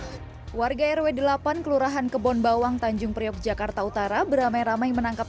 hai warga rw delapan kelurahan kebon bawang tanjung priok jakarta utara beramai ramai menangkap